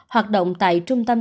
hoạt động tại trung tâm